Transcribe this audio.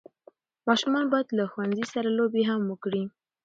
ماشومان باید له ښوونځي سره لوبي هم وکړي.